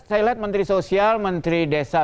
saya lihat menteri sosial menteri desa